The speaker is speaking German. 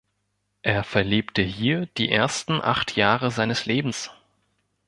Er verlebte hier die ersten acht Jahre seines Lebens.